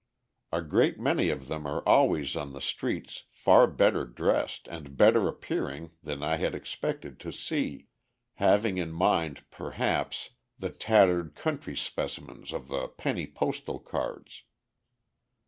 A great many of them are always on the streets far better dressed and better appearing than I had expected to see having in mind, perhaps, the tattered country specimens of the penny postal cards.